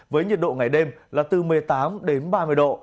với nhiệt độ ngày đêm là từ một mươi tám đến ba mươi độ